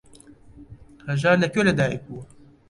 هەژار لە کوێ لەدایک بووە؟